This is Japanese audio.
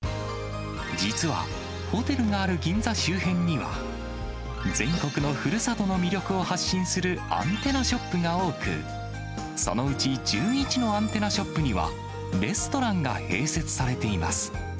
実は、ホテルがある銀座周辺には、全国のふるさとの魅力を発信するアンテナショップが多く、そのうち１１のアンテナショップには、レストランが併設されています。